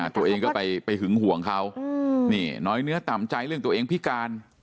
ตัวเองก็ไปหึงห่วงเขานี่น้อยเนื้อต่ำใจเรื่องตัวเองพิการ